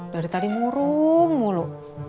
dari tadi murung mulu